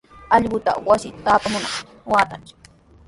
Allqutaqa wasita taapananpaqmi waatanchik.